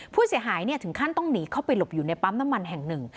ผู้เสียหายถึงขั้นต้องหนีเข้าไปหลบอยู่ในปั๊มน้ำมันแห่งหนึ่ง